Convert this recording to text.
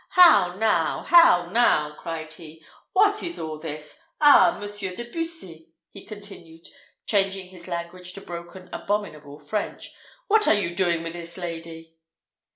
"How now! how now!" cried he; "what is all this? Ah, Monsieur de Bussy," he continued, changing his language to broken, abominable French, "what are you doing with this lady?"